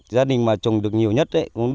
gia đình mà trồng được nhiều nhất